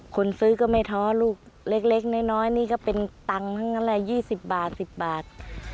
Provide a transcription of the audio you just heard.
คนซื้อก็ไม่ท้อลูกเล็กน้อยนี่ก็เป็นตังค์ทั้งนั้นแหละ๒๐บาท๑๐บาท